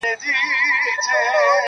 له عطاره دوکان پاته سو هک پک سو-